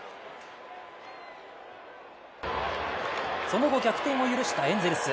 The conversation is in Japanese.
その後、逆転を許したエンゼルス。